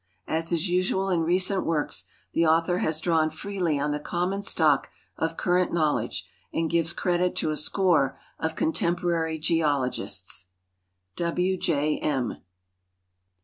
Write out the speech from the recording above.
As is usual in recent works, the author has drawn freely on the common stock of current knowledge, and gives credit to a score of contemporary geologists. W J M.